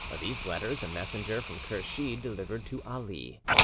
These letters a messenger from Kursheed delivered to Ali.